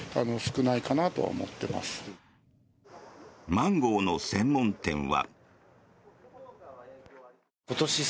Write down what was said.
マンゴーの専門店は。